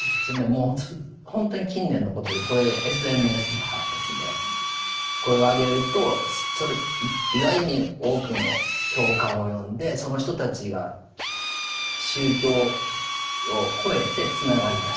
もう本当に近年のことでこれＳＮＳの発達で声を上げるとそれ意外に多くの共感を呼んでその人たちが宗教を超えてつながりだした。